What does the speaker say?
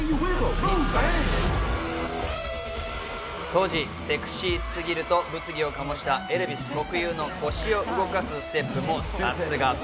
当時、セクシーすぎると物議を醸したエルヴィス特有の腰を動かすステップもさすが。